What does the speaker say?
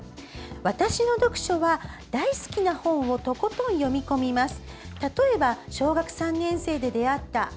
私の読書は大好きな本をとことん読み込みます。